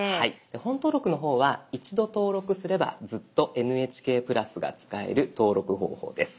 「本登録」の方は一度登録すればずっと「ＮＨＫプラス」が使える登録方法です。